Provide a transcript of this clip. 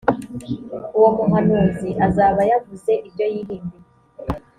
uwo muhanuzi azaba yavuze ibyo yihimbiye.